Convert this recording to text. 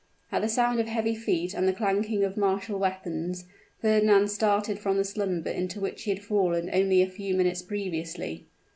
At the sound of heavy feet and the clanking of martial weapons, Fernand started from the slumber into which he had fallen only a few minutes previously.